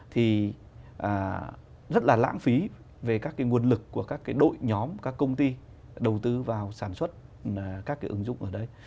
thì rất là lãng phí về các cái nguồn lực của các cái đội nhóm các công ty đầu tư vào sản xuất các cái ứng dụng ở đấy